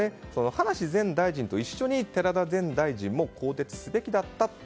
葉梨前大臣と一緒に寺田前大臣も更迭すべきだったと。